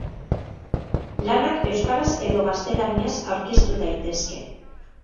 Lanak euskaraz edo gaztelaniaz aurkeztu daitezke.